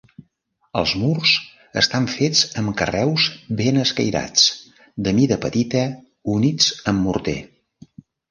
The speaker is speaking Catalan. Els murs estan fets amb carreus ben escairats de mida petita units amb morter.